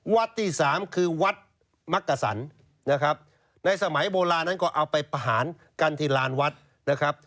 ที่สามคือวัดมักกษันนะครับในสมัยโบราณนั้นก็เอาไปประหารกันที่ลานวัดนะครับ